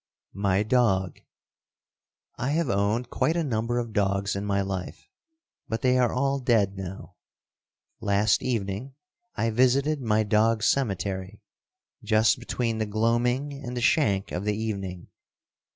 My Dog. I have owned quite a number of dogs in my life, but they are all dead now. Last evening I visited my dog cemetery just between the gloaming and the shank of the evening.